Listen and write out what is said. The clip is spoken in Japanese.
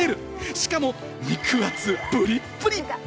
しかも肉厚、プリップリ。